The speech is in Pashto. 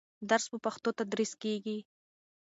درس په پښتو تدریس کېږي.